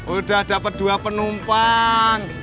udah dapet dua penumpang